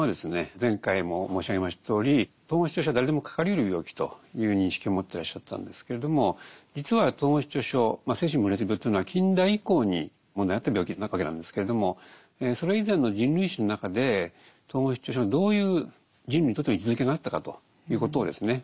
前回も申し上げましたとおり統合失調症は誰でもかかりうる病気という認識を持ってらっしゃったんですけれども実は統合失調症精神分裂病というのは近代以降に問題になった病気なわけなんですけれどもそれ以前の人類史の中で統合失調症がどういう人類にとっての位置づけがあったかということをですね